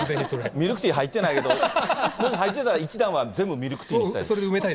ミルクティー入ってないけど、もし入ってたら、１段は全部ミルクティーにしたい？